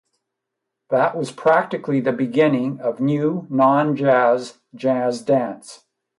That was practically the beginning of new "non-jazz" jazz dance.